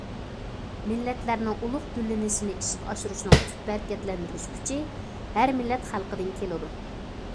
مىللەتلەرنىڭ ئۇلۇغ گۈللىنىشىنى ئىشقا ئاشۇرۇشنىڭ تۈپ ھەرىكەتلەندۈرگۈچ كۈچى ھەر مىللەت خەلقىدىن كېلىدۇ.